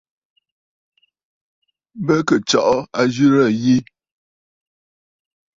Bɨ kɨ̀ tsɔʼɔ àzɨrə̀ yi.